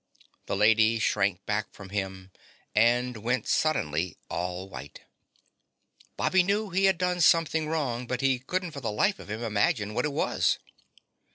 The lady shrank back from him and went suddenly all white. Bobby knew he had done something wrong, but couldn't for the life of him imagine what it was.